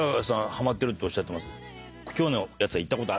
ハマってるっておっしゃってましたが。